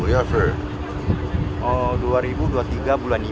mereka beroperasi tahun dua ribu dua puluh tiga bulan lima